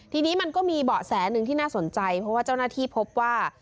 ทีนี้มันก็มีเบาะแสหนึ่งที่น่าสนใจเพราะว่าเจ้าหน้าที่พบว่า